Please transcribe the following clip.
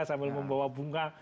sambil membawa bunga